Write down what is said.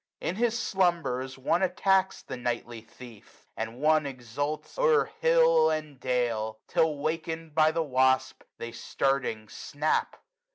In his slumbers one Attacks the nightly thief, and one exults O'er hill and dale ; till, wakened by the wasp, 235 They starting snap.